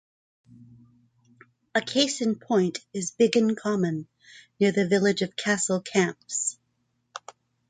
A case in point is Biggin Common, near the village of Castle Camps.